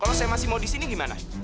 kalau saya masih mau di sini gimana